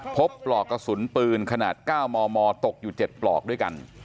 ปลอกกระสุนปืนขนาด๙มมตกอยู่๗ปลอกด้วยกัน